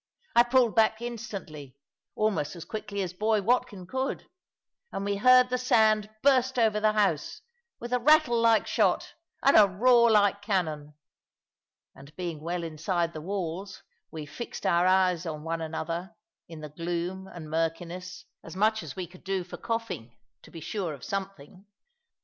I pulled back instantly (almost as quickly as boy Watkin could), and we heard the sand burst over the house, with a rattle like shot, and a roar like cannon. And being well inside the walls, we fixed our eyes on one another, in the gloom and murkiness, as much as we could do for coughing, to be sure of something.